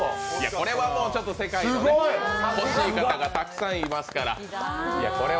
これはもう世界に欲しい方がたくさんいますから。